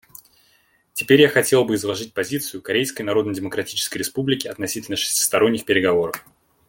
Теперь я хотел бы изложить позицию Корейской Народно-Демократической Республики относительно шестисторонних переговоров.